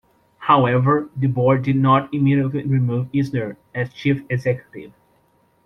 However, the board did not immediately remove Eisner as chief executive.